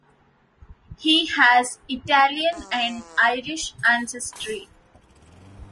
He has Italian and Irish ancestry.